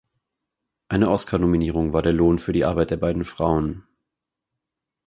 Eine Oscarnominierung war der Lohn für die Arbeit der beiden Frauen.